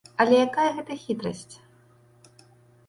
Але якая гэта хітрасць?